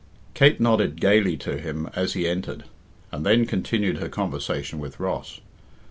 Kate nodded gaily to him as he entered, and then continued her conversation with Ross.